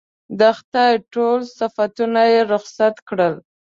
د خدای ټول صفتونه یې رخصت کړل.